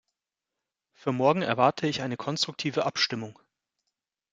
Für morgen erwarte ich eine konstruktive Abstimmung.